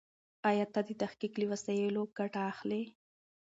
ايا ته د تحقيق له وسایلو ګټه اخلې؟